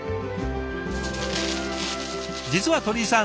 実は鳥居さん